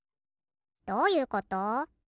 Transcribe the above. どういうこと？